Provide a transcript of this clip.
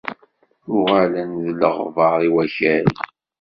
Uɣalen d leɣbar i wakal.